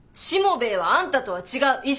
しもべえはあんたとは違う。